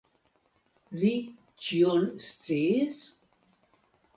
Li ĉion sciis?